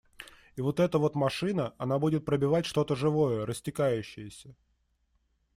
И вот эта вот машина, она будет пробивать что-то живое, растекающееся.